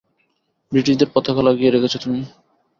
ব্রিটিশদের পতাকা লাগিয়ে রেখেছ তুমি।